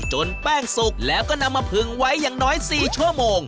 แป้งสุกแล้วก็นำมาผึงไว้อย่างน้อย๔ชั่วโมง